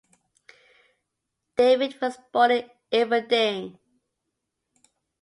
David was born in Eferding.